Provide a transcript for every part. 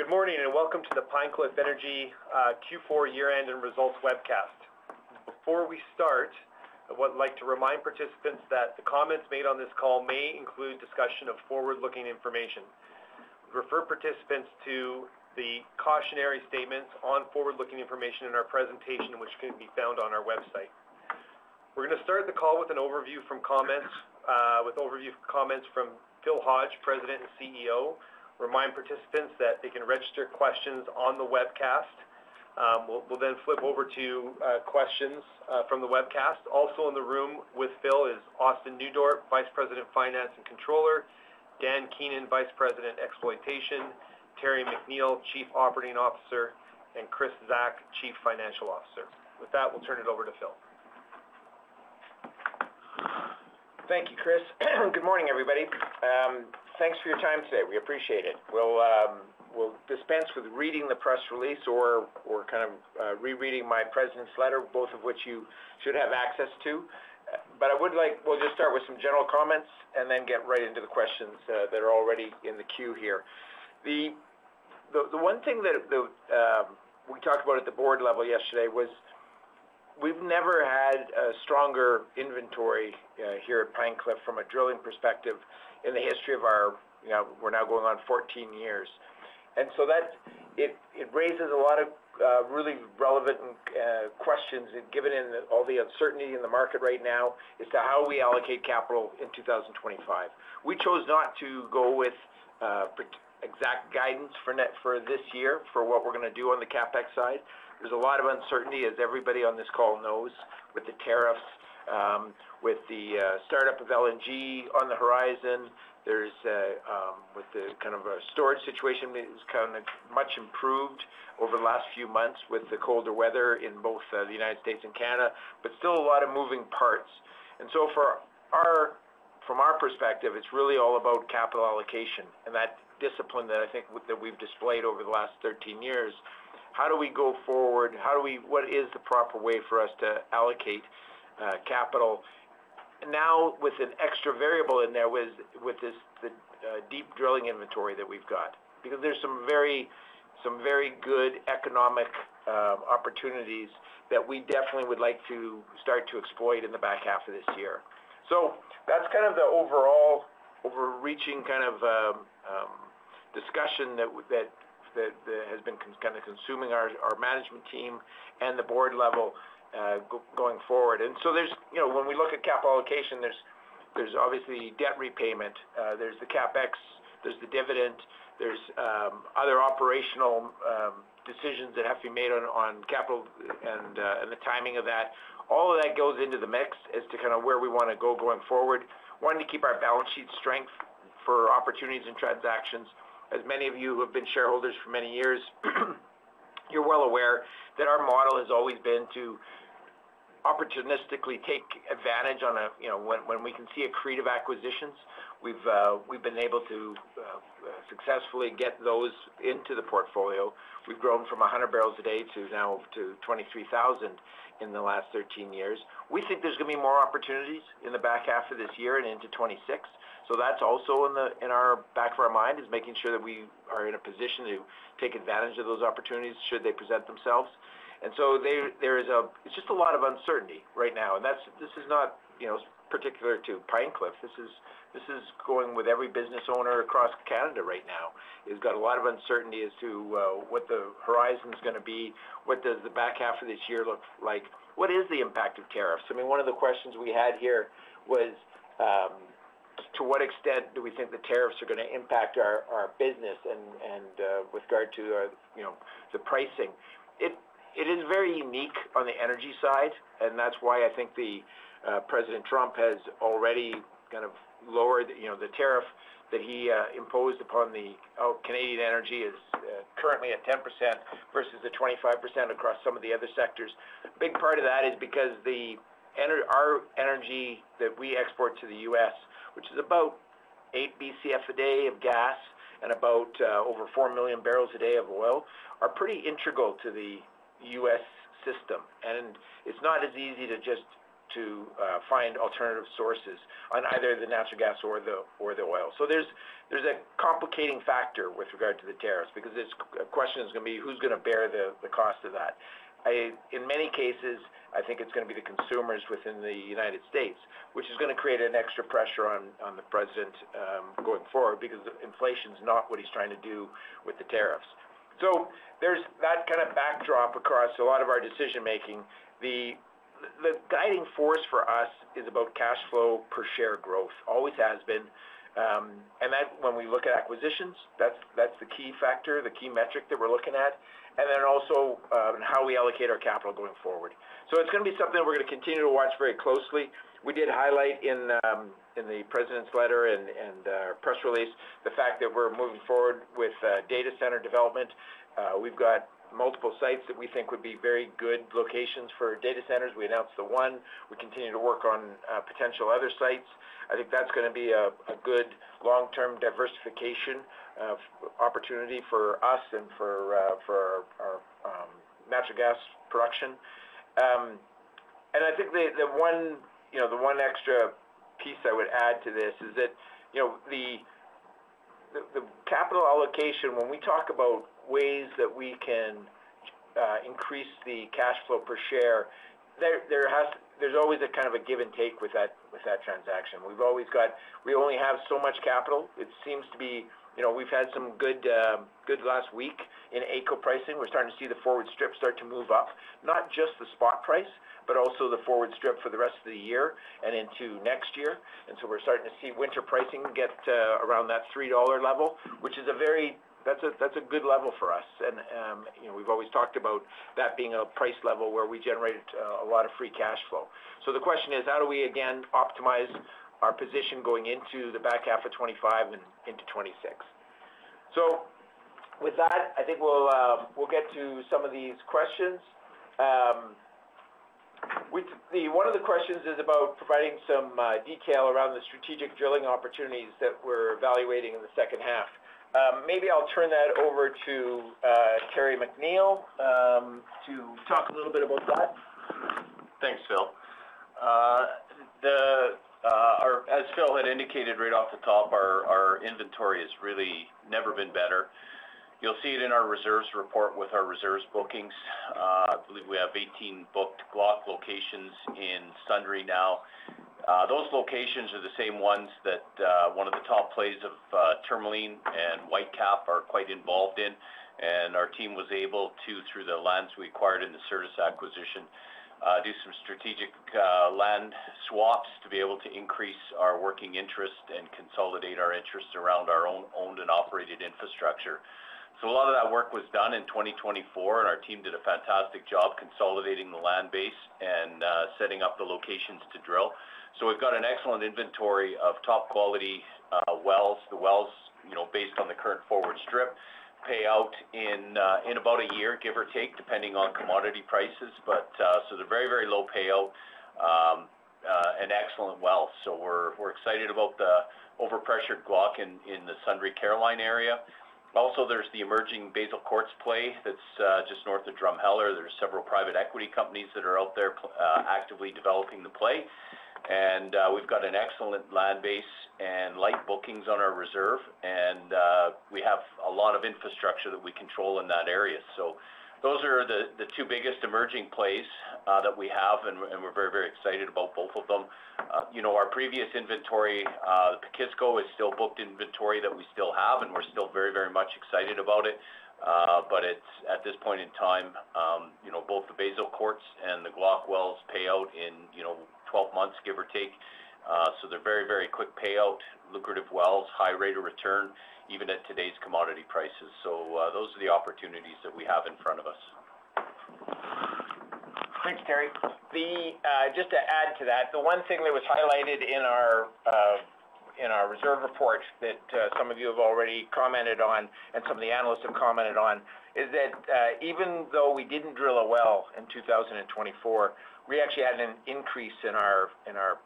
Good morning and welcome to the Pine Cliff Energy Q4 year-end and results webcast. Before we start, I would like to remind participants that the comments made on this call may include discussion of forward-looking information. Refer participants to the cautionary statements on forward-looking information in our presentation, which can be found on our website. We're going to start the call with an overview from comments from Phil Hodge, President and CEO. Remind participants that they can register questions on the webcast. We'll then flip over to questions from the webcast. Also in the room with Phil is Austin Neudorff, Vice President, Finance and Controller; Dan Keenan, Vice President, Exploitation; Terry McNeill, Chief Operating Officer; and Kris Zack, Chief Financial Officer. With that, we'll turn it over to Phil. Thank you, Kris. Good morning, everybody. Thanks for your time today. We appreciate it. We'll dispense with reading the press release or kind of rereading my President's letter, both of which you should have access to. I would like—we'll just start with some general comments and then get right into the questions that are already in the queue here. The one thing that we talked about at the board level yesterday was we've never had a stronger inventory here at Pine Cliff from a drilling perspective in the history of our—we're now going on 14 years. It raises a lot of really relevant questions, given all the uncertainty in the market right now as to how we allocate capital in 2025. We chose not to go with exact guidance for this year for what we're going to do on the CapEx side. is a lot of uncertainty, as everybody on this call knows, with the tariffs, with the startup of LNG on the horizon. There is— with the kind of storage situation is kind of much improved over the last few months with the colder weather in both the U.S. and Canada, but still a lot of moving parts. From our perspective, it is really all about capital allocation and that discipline that I think that we have displayed over the last 13 years. How do we go forward? What is the proper way for us to allocate capital now with an extra variable in there with the deep drilling inventory that we have? Because there are some very good economic opportunities that we definitely would like to start to exploit in the back half of this year. That is kind of the overall overreaching kind of discussion that has been kind of consuming our management team and the board level going forward. When we look at capital allocation, there is obviously debt repayment. There is the CapEx. There is the dividend. There are other operational decisions that have to be made on capital and the timing of that. All of that goes into the mix as to kind of where we want to go going forward. We want to keep our balance sheet strength for opportunities and transactions. As many of you who have been shareholders for many years, you are well aware that our model has always been to opportunistically take advantage on a—when we can see accretive acquisitions, we have been able to successfully get those into the portfolio. We have grown from 100 barrels a day to now to 23,000 in the last 13 years. We think there's going to be more opportunities in the back half of this year and into 2026. That is also in the back of our mind, making sure that we are in a position to take advantage of those opportunities should they present themselves. There is just a lot of uncertainty right now. This is not particular to Pine Cliff. This is going with every business owner across Canada right now. He's got a lot of uncertainty as to what the horizon is going to be. What does the back half of this year look like? What is the impact of tariffs? I mean, one of the questions we had here was to what extent do we think the tariffs are going to impact our business and with regard to the pricing? It is very unique on the energy side, and that's why I think President Trump has already kind of lowered the tariff that he imposed upon the Canadian energy is currently at 10% versus the 25% across some of the other sectors. A big part of that is because our energy that we export to the U.S., which is about 8 BCF a day of gas and about over 4 million barrels a day of oil, are pretty integral to the U.S. system. It is not as easy to just find alternative sources on either the natural gas or the oil. There is a complicating factor with regard to the tariffs because the question is going to be who's going to bear the cost of that. In many cases, I think it's going to be the consumers within the U.S., which is going to create an extra pressure on the President going forward because inflation is not what he's trying to do with the tariffs. There is that kind of backdrop across a lot of our decision-making. The guiding force for us is about cash flow per share growth, always has been. That, when we look at acquisitions, is the key factor, the key metric that we're looking at, and then also how we allocate our capital going forward. It is going to be something we are going to continue to watch very closely. We did highlight in the President's letter and press release the fact that we are moving forward with data center development. We have got multiple sites that we think would be very good locations for data centers. We announced the one. We continue to work on potential other sites. I think that is going to be a good long-term diversification opportunity for us and for our natural gas production. I think the one extra piece I would add to this is that the capital allocation, when we talk about ways that we can increase the cash flow per share, there is always a kind of a give and take with that transaction. We have only got so much capital. It seems to be we have had some good last week in AECO pricing. We are starting to see the forward strip start to move up, not just the spot price, but also the forward strip for the rest of the year and into next year. We are starting to see winter pricing get around that $3 level, which is a very—that is a good level for us. We have always talked about that being a price level where we generate a lot of free cash flow. The question is, how do we again optimize our position going into the back half of 2025 and into 2026? With that, I think we will get to some of these questions. One of the questions is about providing some detail around the strategic drilling opportunities that we are evaluating in the second half. Maybe I will turn that over to Terry McNeill to talk a little bit about that. Thanks, Phil. As Phil had indicated right off the top, our inventory has really never been better. You'll see it in our reserves report with our reserves bookings. I believe we have 18 booked block locations in Sundre now. Those locations are the same ones that one of the top plays of Tourmaline and Whitecap are quite involved in. Our team was able to, through the lands we acquired in the Certus acquisition, do some strategic land swaps to be able to increase our working interest and consolidate our interest around our owned and operated infrastructure. A lot of that work was done in 2024, and our team did a fantastic job consolidating the land base and setting up the locations to drill. We've got an excellent inventory of top quality wells. The wells, based on the current forward strip, pay out in about a year, give or take, depending on commodity prices. They are very, very low payout and excellent wells. We are excited about the overpressured block in the Sundre, Caroline area. Also, there is the emerging Basal Quartz play that is just north of Drumheller. There are several private equity companies that are out there actively developing the play. We have an excellent land base and light bookings on our reserve. We have a lot of infrastructure that we control in that area. Those are the two biggest emerging plays that we have, and we are very, very excited about both of them. Our previous inventory, the Pekisko, is still booked inventory that we still have, and we are still very, very much excited about it. At this point in time, both the Basal Quartz and the Glauconite wells pay out in 12 months, give or take. They are very, very quick payout, lucrative wells, high rate of return, even at today's commodity prices. Those are the opportunities that we have in front of us. Thanks, Terry. Just to add to that, the one thing that was highlighted in our reserve report that some of you have already commented on and some of the analysts have commented on is that even though we did not drill a well in 2024, we actually had an increase in our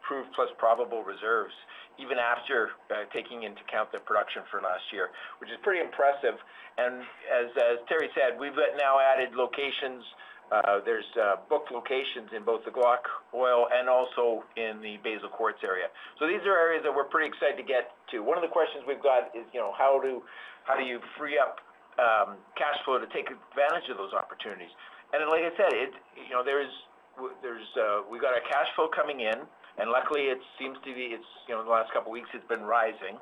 proved plus probable reserves even after taking into account the production for last year, which is pretty impressive. As Terry said, we have now added locations. There are booked locations in both the Glauconite oil and also in the Basal Quartz area. These are areas that we are pretty excited to get to. One of the questions we have is, how do you free up cash flow to take advantage of those opportunities? Like I said, we have our cash flow coming in, and luckily it seems to be, in the last couple of weeks, it has been rising.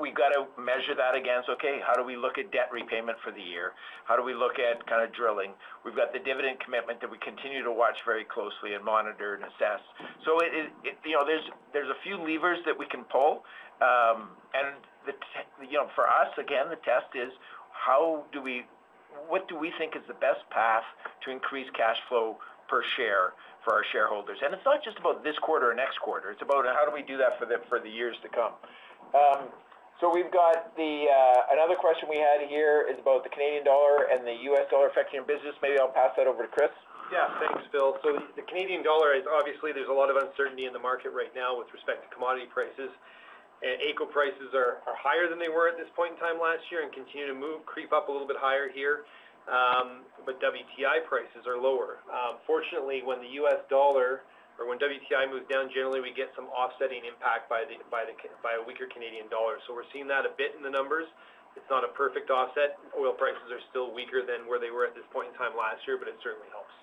We have to measure that against, okay, how do we look at debt repayment for the year? How do we look at kind of drilling? We have the dividend commitment that we continue to watch very closely and monitor and assess. There are a few levers that we can pull. For us, again, the test is, what do we think is the best path to increase cash flow per share for our shareholders? It is not just about this quarter or next quarter. It is about, how do we do that for the years to come? We have another question here about the Canadian dollar and the US dollar affecting your business. Maybe I will pass that over to Kris. Yeah, thanks, Phil. The Canadian dollar is obviously—there's a lot of uncertainty in the market right now with respect to commodity prices. AECO prices are higher than they were at this point in time last year and continue to move, creep up a little bit higher here. WTI prices are lower. Fortunately, when the U.S. dollar or when WTI moves down, generally we get some offsetting impact by a weaker Canadian dollar. We're seeing that a bit in the numbers. It's not a perfect offset. Oil prices are still weaker than where they were at this point in time last year, but it certainly helps.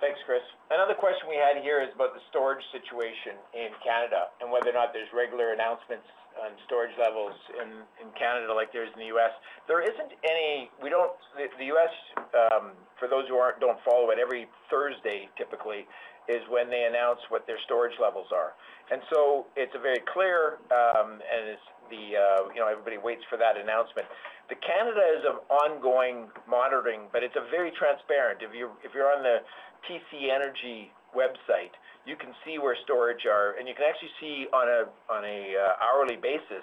Thanks, Kris. Another question we had here is about the storage situation in Canada and whether or not there's regular announcements on storage levels in Canada like there is in the U.S. There isn't any. The U.S., for those who don't follow it, every Thursday typically is when they announce what their storage levels are. It is very clear, and everybody waits for that announcement. Canada is an ongoing monitoring, but it is very transparent. If you're on the TC Energy website, you can see where storage are, and you can actually see on an hourly basis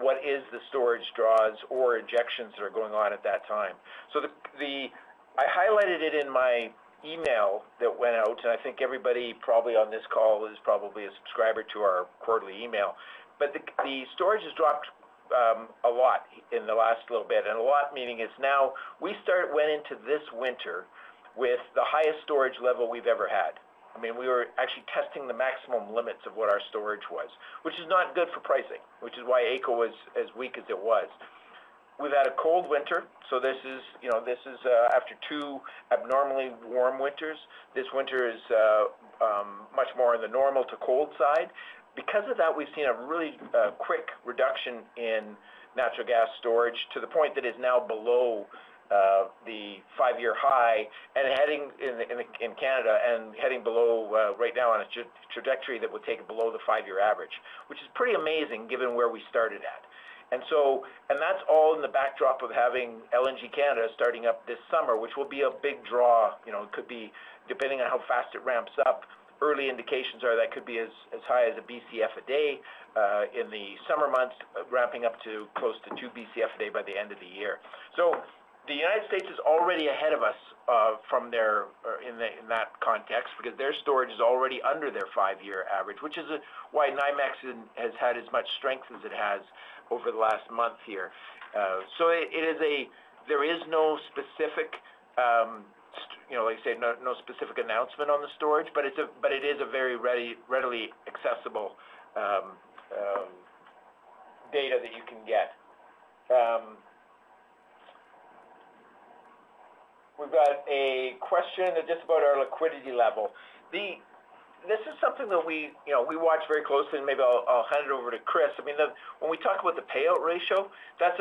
what is the storage draws or injections that are going on at that time. I highlighted it in my email that went out, and I think everybody probably on this call is probably a subscriber to our quarterly email. The storage has dropped a lot in the last little bit. A lot meaning it's now, we went into this winter with the highest storage level we've ever had. I mean, we were actually testing the maximum limits of what our storage was, which is not good for pricing, which is why AECO was as weak as it was. We've had a cold winter. This is after two abnormally warm winters. This winter is much more on the normal to cold side. Because of that, we've seen a really quick reduction in natural gas storage to the point that it's now below the five-year high in Canada and heading below right now on a trajectory that would take it below the five-year average, which is pretty amazing given where we started at. That's all in the backdrop of having LNG Canada starting up this summer, which will be a big draw. It could be, depending on how fast it ramps up, early indications are that could be as high as 1 BCF a day in the summer months, ramping up to close to 2 BCF a day by the end of the year. The United States is already ahead of us in that context because their storage is already under their five-year average, which is why NYMEX has had as much strength as it has over the last month here. There is no specific, like I said, no specific announcement on the storage, but it is a very readily accessible data that you can get. We've got a question just about our liquidity level. This is something that we watch very closely, and maybe I'll hand it over to Kris. I mean, when we talk about the payout ratio, that's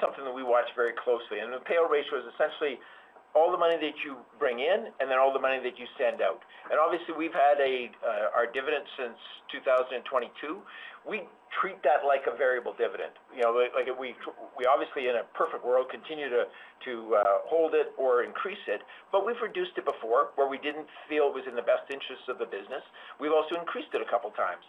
something that we watch very closely. The payout ratio is essentially all the money that you bring in and then all the money that you send out. Obviously, we've had our dividend since 2022. We treat that like a variable dividend. We obviously, in a perfect world, continue to hold it or increase it, but we've reduced it before where we didn't feel it was in the best interests of the business. We've also increased it a couple of times.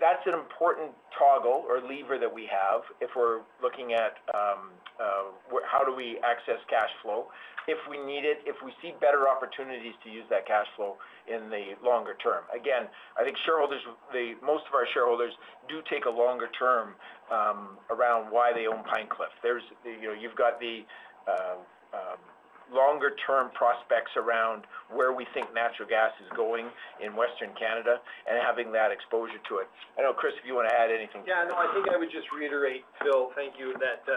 That is an important toggle or lever that we have if we're looking at how do we access cash flow if we need it, if we see better opportunities to use that cash flow in the longer term. Again, I think most of our shareholders do take a longer term around why they own Pine Cliff. You've got the longer-term prospects around where we think natural gas is going in Western Canada and having that exposure to it. I don't know, Kris, if you want to add anything. Yeah, no, I think I would just reiterate, Phil, thank you, that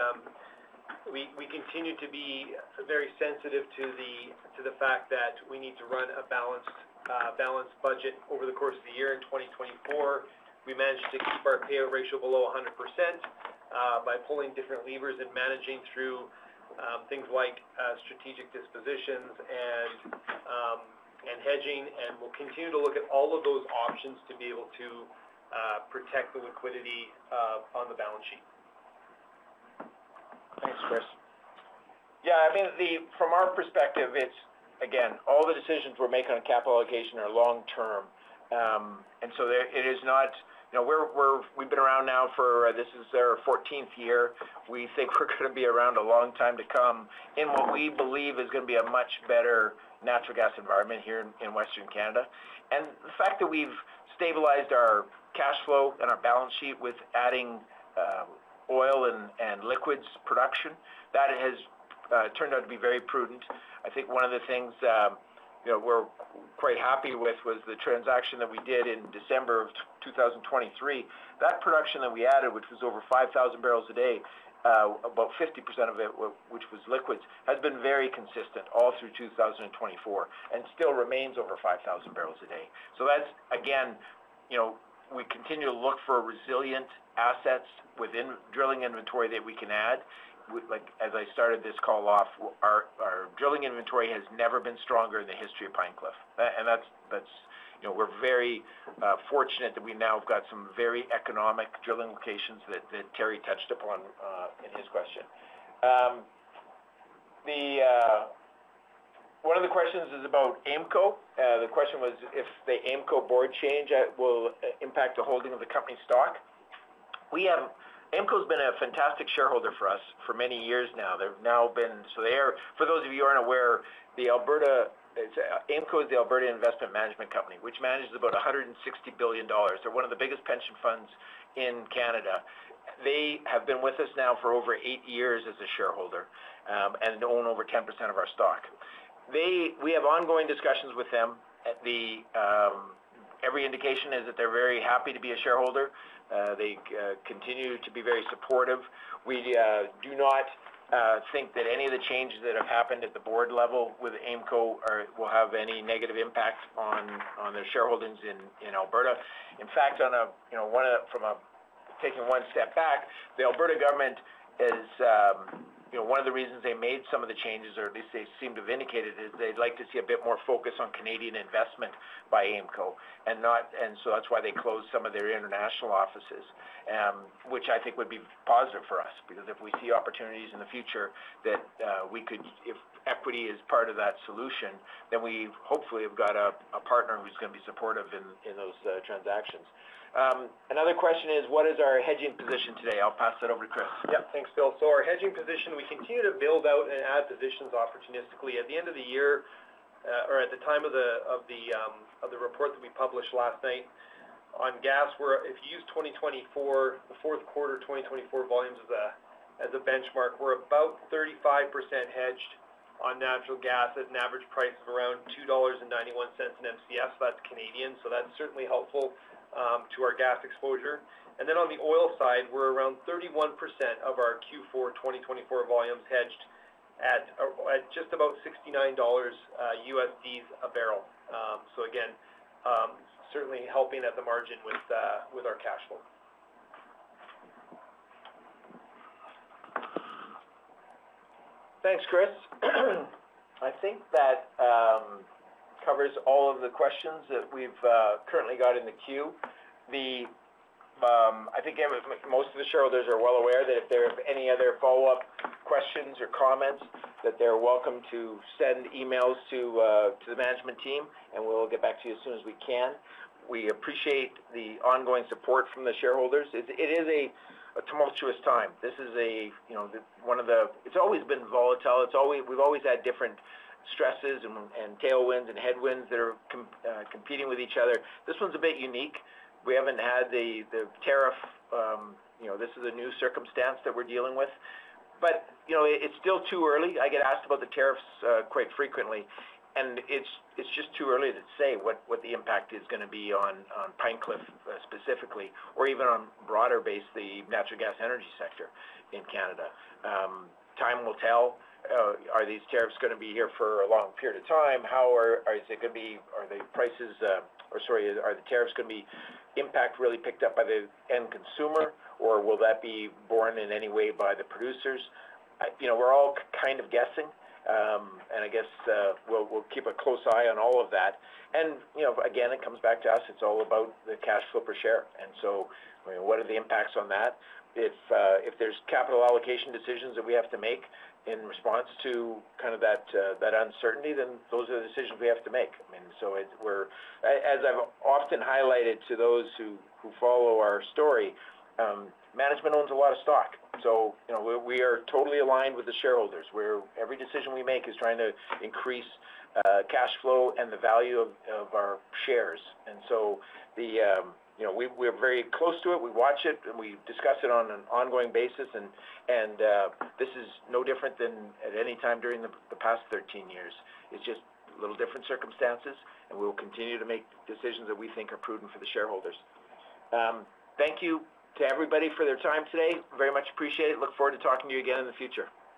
we continue to be very sensitive to the fact that we need to run a balanced budget over the course of the year. In 2024, we managed to keep our payout ratio below 100% by pulling different levers and managing through things like strategic dispositions and hedging. We will continue to look at all of those options to be able to protect the liquidity on the balance sheet. Thanks, Kris. Yeah, I mean, from our perspective, again, all the decisions we're making on capital allocation are long-term. It is not—we've been around now for—this is our 14th year. We think we're going to be around a long time to come in what we believe is going to be a much better natural gas environment here in Western Canada. The fact that we've stabilized our cash flow and our balance sheet with adding oil and liquids production, that has turned out to be very prudent. I think one of the things we're quite happy with was the transaction that we did in December of 2023. That production that we added, which was over 5,000 barrels a day, about 50% of it, which was liquids, has been very consistent all through 2024 and still remains over 5,000 barrels a day. That is, again, we continue to look for resilient assets within drilling inventory that we can add. As I started this call off, our drilling inventory has never been stronger in the history of Pine Cliff. We are very fortunate that we now have got some very economic drilling locations that Terry touched upon in his question. One of the questions is about AIMCo. The question was if the AIMCo board change will impact the holding of the company stock. AIMCo has been a fantastic shareholder for us for many years now. They have now been, so for those of you who are not aware, AIMCo is the Alberta Investment Management Corporation, which manages about 160 billion dollars. They are one of the biggest pension funds in Canada. They have been with us now for over eight years as a shareholder and own over 10% of our stock. We have ongoing discussions with them. Every indication is that they're very happy to be a shareholder. They continue to be very supportive. We do not think that any of the changes that have happened at the board level with AIMCo will have any negative impact on their shareholdings in Alberta. In fact, from taking one step back, the Alberta government is— one of the reasons they made some of the changes, or at least they seem to have indicated, is they'd like to see a bit more focus on Canadian investment by AIMCo. That is why they closed some of their international offices, which I think would be positive for us because if we see opportunities in the future that we could— if equity is part of that solution, then we hopefully have got a partner who's going to be supportive in those transactions. Another question is, what is our hedging position today? I'll pass that over to Kris. Yeah, thanks, Phil. Our hedging position, we continue to build out and add positions opportunistically. At the end of the year or at the time of the report that we published last night on gas, if you use the fourth quarter 2024 volumes as a benchmark, we're about 35% hedged on natural gas at an average price of 2.91 dollars in Mcf. That's Canadian. That's certainly helpful to our gas exposure. On the oil side, we're around 31% of our Q4 2024 volumes hedged at just about $69 a barrel. Again, certainly helping at the margin with our cash flow. Thanks, Kris. I think that covers all of the questions that we've currently got in the queue. I think most of the shareholders are well aware that if there are any other follow-up questions or comments, that they're welcome to send emails to the management team, and we'll get back to you as soon as we can. We appreciate the ongoing support from the shareholders. It is a tumultuous time. This is one of the—it's always been volatile. We've always had different stresses and tailwinds and headwinds that are competing with each other. This one's a bit unique. We haven't had the tariff—this is a new circumstance that we're dealing with. It's still too early. I get asked about the tariffs quite frequently, and it's just too early to say what the impact is going to be on Pine Cliff specifically or even on a broader base, the natural gas energy sector in Canada. Time will tell. Are these tariffs going to be here for a long period of time? How is it going to be? Are the prices, or sorry, are the tariffs going to be impact really picked up by the end consumer, or will that be borne in any way by the producers? We're all kind of guessing, and I guess we'll keep a close eye on all of that. It comes back to us. It's all about the cash flow per share. What are the impacts on that? If there's capital allocation decisions that we have to make in response to kind of that uncertainty, those are the decisions we have to make. I mean, as I've often highlighted to those who follow our story, management owns a lot of stock. We are totally aligned with the shareholders. Every decision we make is trying to increase cash flow and the value of our shares. We are very close to it. We watch it, and we discuss it on an ongoing basis. This is no different than at any time during the past 13 years. It's just a little different circumstances, and we will continue to make decisions that we think are prudent for the shareholders. Thank you to everybody for their time today. Very much appreciate it. Look forward to talking to you again in the future.